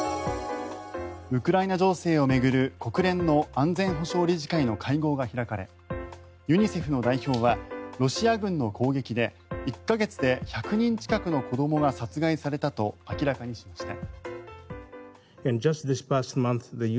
ウクライナ情勢を巡る国連の安全保障理事会の会合が開かれユニセフの代表はロシア軍の攻撃で１か月で１００人近くの子どもが殺害されたと明らかにしました。